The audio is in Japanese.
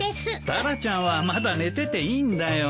タラちゃんはまだ寝てていいんだよ。